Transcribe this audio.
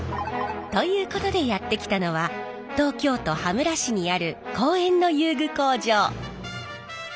ということでやって来たのは東京都羽村市にある公園の遊具工場。